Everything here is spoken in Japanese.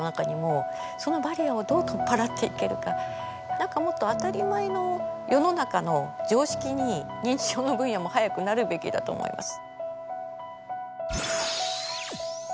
何かもっと当たり前の世の中の常識に認知症の分野も早くなるべきだと思います。